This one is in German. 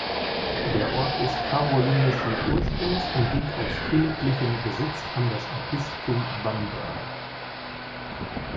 Der Ort ist karolingischen Ursprungs und ging aus königlichem Besitz an das Bistum Bamberg.